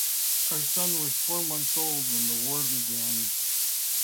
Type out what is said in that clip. Our son was four months old when the war began.